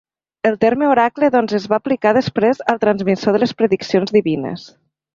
El terme oracle doncs es va aplicar després al transmissor de les prediccions divines.